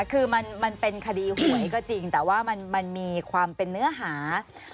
คือมันเป็นคดีหวยก็จริงแต่ว่ามันมีความเป็นเนื้อหา